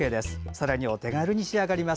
さらにお手軽に仕上がります。